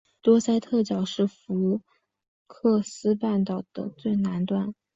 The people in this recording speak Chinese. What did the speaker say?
多塞特角是福克斯半岛的最南端。